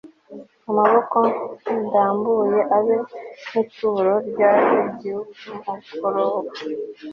amaboko ndambuye abe nk'ituro rya nimugoroba